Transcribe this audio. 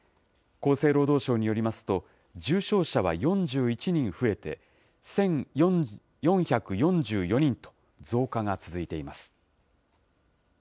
厚生労働省によりますと、重症者は４１人増えて１４４４人と、増加が続いています。